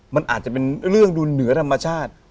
มันอาจจะเป็นเรื่องดูเหนือธรรมชาติ